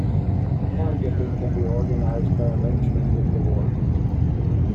Pond dipping can be organised by arrangement with the warden.